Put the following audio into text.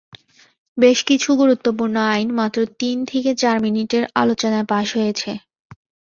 বেশ কিছু গুরুত্বপূর্ণ আইন মাত্র তিন থেকে চার মিনিটের আলোচনায় পাস হয়েছে।